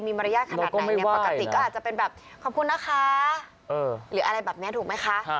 มีมารยาทขนาดไหนเนี่ยปกติก็อาจจะเป็นแบบขอบคุณนะคะหรืออะไรแบบนี้ถูกไหมคะ